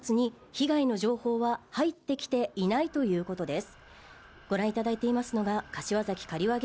被害の情報は入ってきていないということです。